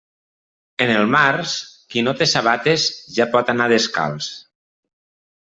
En el març, qui no té sabates ja pot anar descalç.